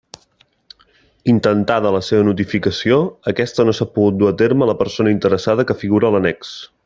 Intentada la seva notificació, aquesta no s'ha pogut dur a terme a la persona interessada que figura a l'annex.